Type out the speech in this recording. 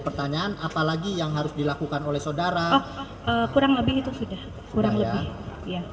pertanyaan apalagi yang harus dilakukan oleh saudara kurang lebih itu sudah kurang lebih